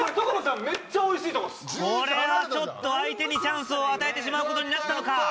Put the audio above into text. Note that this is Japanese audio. これはちょっと相手にチャンスを与えてしまうことになったのか。